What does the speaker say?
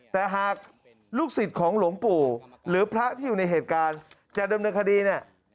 แต่หากลูกศิษย์ของหลวงปู่หรือพระที่อยู่ในเหตุการณ์จะดำเนินคดีเนี่ย